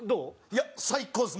いや最高です！